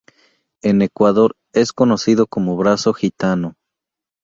En Ecuador es conocido como brazo gitano.